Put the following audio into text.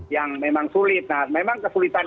yang memang sulit nah memang kesulitan